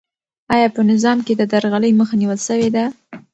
آیا په نظام کې د درغلۍ مخه نیول سوې ده؟